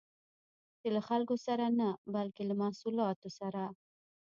چې له خلکو سره نه، بلکې له محصولات سره